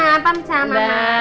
salam sama mama